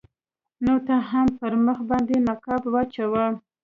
نو ته هم پر مخ باندې نقاب واچوه.